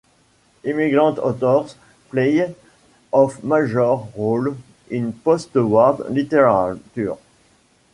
Immigrant authors played a major role in post-war literature.